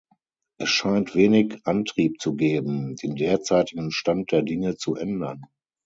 Es scheint wenig Antrieb zu geben, den derzeitigen Stand der Dinge zu ändern.